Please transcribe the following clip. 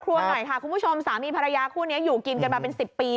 หน่อยค่ะคุณผู้ชมสามีภรรยาคู่นี้อยู่กินกันมาเป็น๑๐ปี